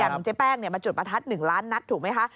อย่างน้องเจ๊แป้งเนี่ยมาจุดประทัด๑ล้านนัทถูกไหมคะ